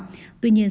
có chuyển biến đổi